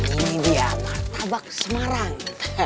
ini dia martabak semarang